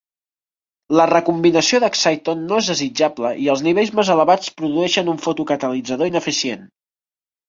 La recombinació d'Exciton no és desitjable i els nivells més elevats produeixen un fotocatalitzador ineficient.